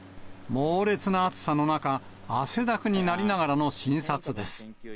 猛烈な暑さの中、汗だくになりながらの診察です。